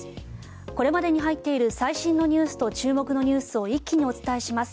これまでに入っている最新ニュースと注目ニュースを一気にお伝えします。